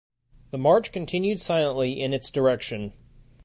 The march continued silently in it's direction.